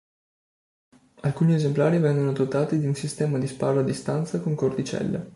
Alcuni esemplari vennero dotati di un sistema di sparo a distanza con cordicella.